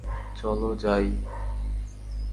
চল, যাই!